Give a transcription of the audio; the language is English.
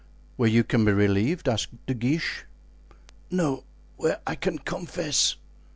"Where you can be relieved?" asked De Guiche. "No, where I can confess."